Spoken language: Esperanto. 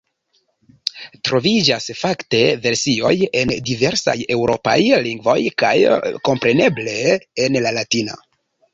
Troviĝas, fakte, versioj en diversaj eŭropaj lingvoj kaj, kompreneble, en la latina.